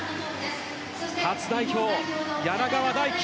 初代表、柳川大樹。